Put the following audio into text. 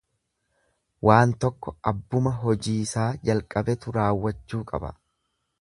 Waan tokko abbuma hojiisaa jalqabetu raawwachuu qaba.